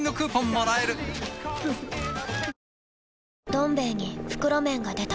「どん兵衛」に袋麺が出た